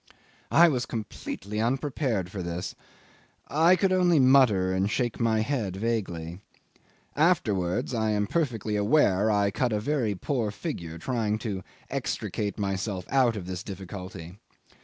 ... 'I was completely unprepared for this. I could only mutter and shake my head vaguely. Afterwards I am perfectly aware I cut a very poor figure trying to extricate myself out of this difficulty.